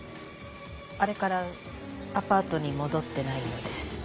あれからアパートに戻ってないようです。